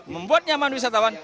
membuat nyaman wisatawan